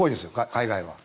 海外は。